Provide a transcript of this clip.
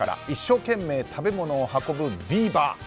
一生懸命、食べ物を運ぶビーバー。